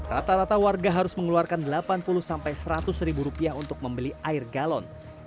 rata rata warga harus mengeluarkan rp delapan puluh seratus untuk membeli air galon